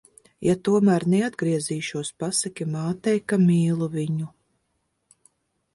Ja tomēr neatgriezīšos, pasaki mātei, ka mīlu viņu.